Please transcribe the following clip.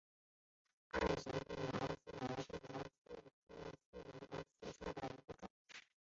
二型鳞毛蕨为鳞毛蕨科鳞毛蕨属下的一个种。